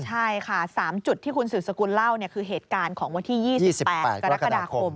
ใช่ค่ะ๓จุดที่คุณสืบสกุลเล่าคือเหตุการณ์ของวันที่๒๘กรกฎาคม